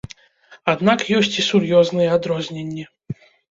Аднак ёсць і сур'ёзныя адрозненні.